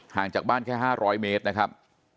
จากบ้านแค่๕๐๐เมตรนะครับ